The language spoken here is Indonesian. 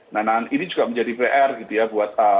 nah ini juga menjadi pr gitu ya buat